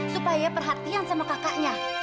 supaya perhatian sama kakaknya